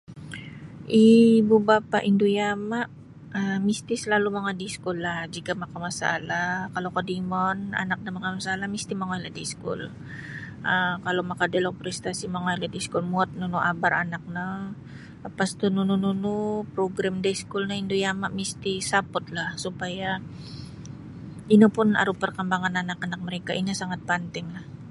Iibu bapa' indu yama' um misti salalu' mongoi da iskullah jika makamasalah kalau kodimon anak no makamasalah misti mongoilah da iskul um kalau makadialog prestasi mongoilah da iskul muwot nunu abar anak no. Lapas tu nunu-nunu program da iskul no indu yama' misti supportlah supaya ino pun aru parkambangan anak-anak mereka ino sangat pantinglah.